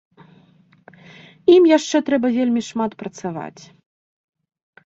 Ім яшчэ трэба вельмі шмат працаваць.